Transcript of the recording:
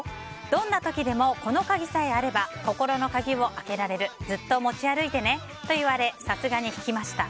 どんな時でもこの鍵さえあれば心の鍵を開けられるずっと持ち歩いてねと言われてさすがに引きました。